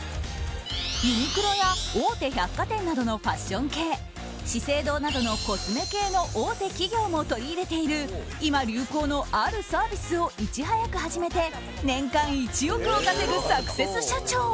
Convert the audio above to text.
ユニクロや大手百貨店などのファッション系資生堂などのコスメ系の大手企業も取り入れている今流行のあるサービスをいち早く始めて年間１億を稼ぐサクセス社長。